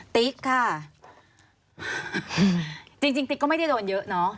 ติ๊กค่ะจริงจริงติ๊กก็ไม่ได้โดนเยอะเนอะ